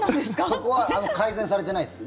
そこは改善されてないです。